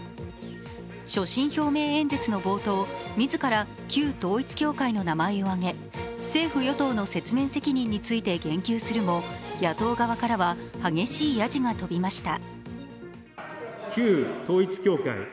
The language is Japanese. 所信表明演説の冒頭、自ら旧統一教会の名前を挙げ政府・与党の説明責任について言及するも野党側からは激しいやじが飛びました。